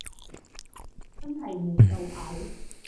真係悶到嘔